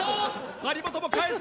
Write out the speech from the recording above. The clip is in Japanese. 張本も返す！